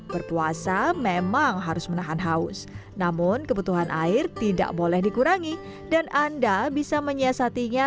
berpuasa memang harus menahan haus namun kebutuhan air tidak boleh dikurangi dan anda bisa menyiasatinya